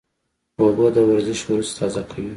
اوبه د ورزش وروسته تازه کوي